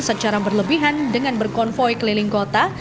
secara berlebihan dengan berkonvoy keliling kota